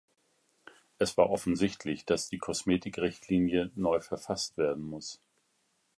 Es war offensichtlich, dass die Kosmetikrichtlinie neu verfasst werden muss.